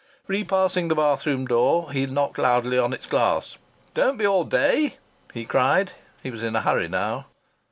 Repassing the bathroom door he knocked loudly on its glass. "Don't be all day!" he cried. He was in a hurry now.